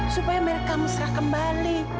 supaya mereka mustahak kembali